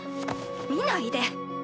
見ないで。